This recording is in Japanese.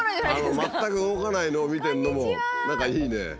全く動かないのを見てるのも何かいいね。